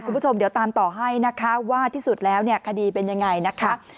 คุณผู้ชมเดี๋ยวตามต่อให้นะคะว่าที่สุดแล้วเนี่ยคดีเป็นยังไงนะคะ